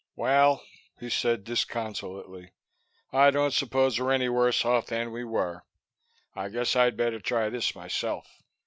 "Well," he said disconsolately, "I don't suppose we're any worse off than we were. I guess I'd better try this myself."